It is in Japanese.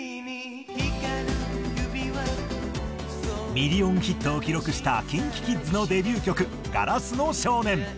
ミリオンヒットを記録したＫｉｎＫｉＫｉｄｓのデビュー曲『硝子の少年』。